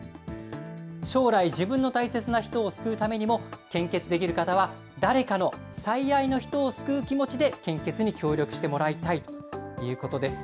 将来、自分の大切な人を救うためにも、献血できる方は、誰かの最愛の人を救う気持ちで献血に協力してもらいたいということです。